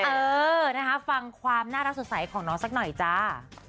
เออนะคะฟังความน่ารักสดใสของน้องสักหน่อยจ้า